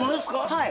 はい。